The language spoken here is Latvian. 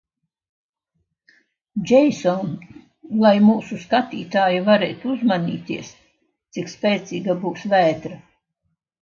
Džeison, lai mūsu skatītāji varētu uzmanīties, cik spēcīga būs vētra?